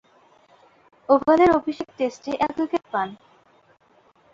ওভালের অভিষেক টেস্টে এক উইকেট পান।